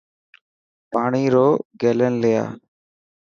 پاني رو گيلن لي آءِ.